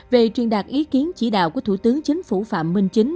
về truyền đạt ý kiến chỉ đạo của thủ tướng chính phủ phạm minh chính